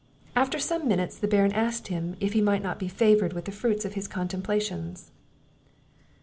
After some minutes, the Baron asked him, "If he might not be favoured with the fruits of his contemplations?"